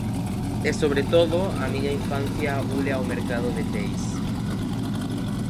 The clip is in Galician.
E, sobre todo, a miña infancia ule ao Mercado de Teis.